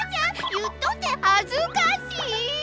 言っとって恥ずかしい！